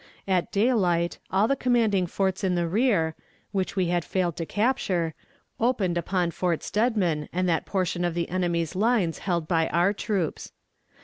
At daylight, all the commanding forts in the rear, which we had failed to capture, opened upon Fort Steadman and that portion of the enemy's lines held by our troops.